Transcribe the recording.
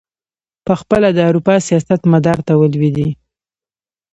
پخپله د اروپا سیاست مدار ته ولوېدی.